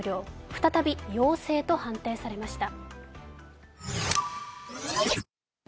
再び陽性と判定されました。